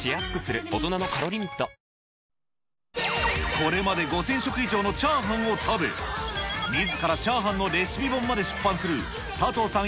これまで５０００食以上のチャーハンを食べ、みずからチャーハンのレシピ本まで出版する佐藤さん